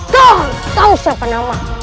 kau tahu siapa nama